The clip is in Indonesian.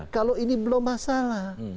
kalau ini belum masalah